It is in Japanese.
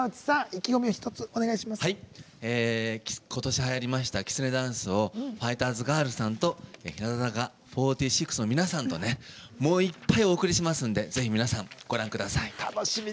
きつねダンスをファイターズガールさんと日向坂４６の皆さんといっぱいお送りしますので皆さん、ぜひご覧ください。